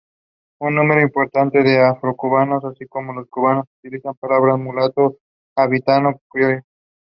It is managed by Food and Environmental Hygiene Department.